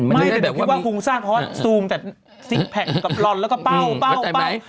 ไม่แต่คิดว่าฟุ้งซ่านเพราะว่าซูงแต่ซิกแพคกับลอนแล้วก็เป้าเป้าเป้า